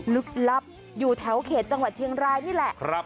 ลึกลับอยู่แถวเขตจังหวัดเชียงรายนี่แหละ